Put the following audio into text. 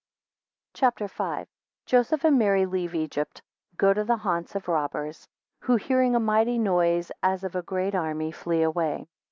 CHAPTER V. 1 Joseph and Mary leave Egypt. 3 Go to the Haunts of robbers, 4 Who hearing a mighty noise, as of a great army flee away.